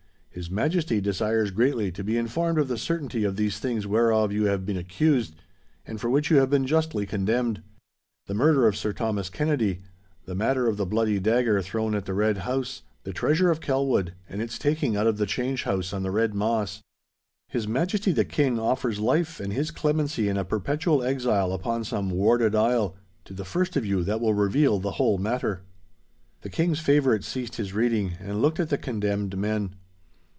'His Majesty desires greatly to be informed of the certainty of these things whereof you have been accused, and for which you have been justly condemned—the murder of Sir Thomas Kennedy, the matter of the bloody dagger thrown at the Red House, the Treasure of Kelwood, and its taking out of the changehouse on the Red Moss. His Majesty the King offers life and his clemency in a perpetual exile upon some warded isle, to the first of you that will reveal the whole matter.' The King's favourite ceased his reading, and looked at the condemned men.